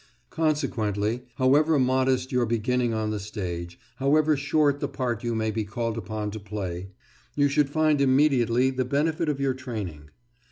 Consequently, however modest your beginning on the stage, however short the part you may be called upon to play, you should find immediately the benefit of your training.